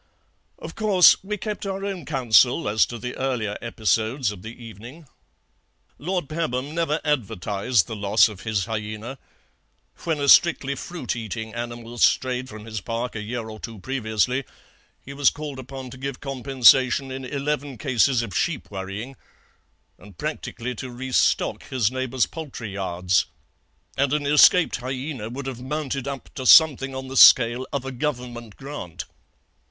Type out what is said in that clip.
"Of course, we kept our own counsel as to the earlier episodes of the evening. Lord Pabham never advertised the loss of his hyaena; when a strictly fruit eating animal strayed from his park a year or two previously he was called upon to give compensation in eleven cases of sheep worrying and practically to re stock his neighbours' poultry yards, and an escaped hyaena would have mounted up to something on the scale of a Government grant.